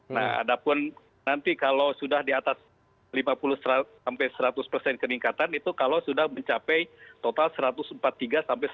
nah adapun nanti kalau sudah di atas lima puluh sampai seratus persen keningkatan itu kalau sudah mencapai total satu ratus empat puluh tiga sampai satu ratus sembilan puluh